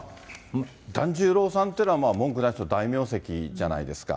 團十郎さんっていうのは、もう文句なしの大名跡じゃないですか。